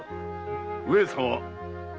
・上様。